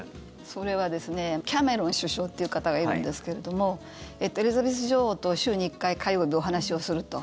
それはですねキャメロン首相という方がいるんですけれどもエリザベス女王と週に１回会合でお話をすると。